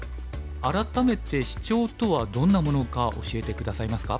改めてシチョウとはどんなものか教えて下さいますか？